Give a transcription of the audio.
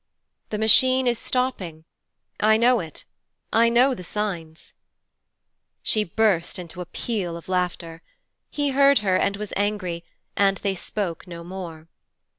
'The Machine is stopping, I know it, I know the signs.' She burst into a peal of laughter. He heard her and was angry, and they spoke no more.